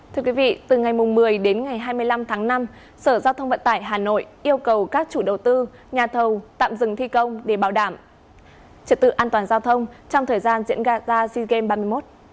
thưa quý vị từ ngày một mươi đến ngày hai mươi năm tháng năm sở giao thông vận tải hà nội yêu cầu các chủ đầu tư nhà thầu tạm dừng thi công để bảo đảm trật tự an toàn giao thông trong thời gian diễn ra ta sea games ba mươi một